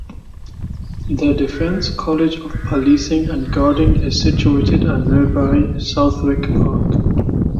The Defence College of Policing and Guarding is situated at nearby Southwick Park.